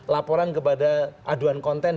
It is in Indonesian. laporan kepada aduan konten